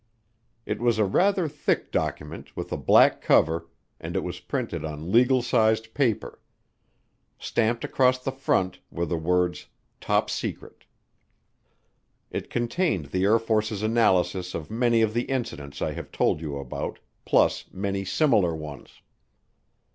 It was a rather thick document with a black cover and it was printed on legal sized paper. Stamped across the front were the words TOP SECRET. It contained the Air Force's analysis of many of the incidents I have told you about plus many similar ones.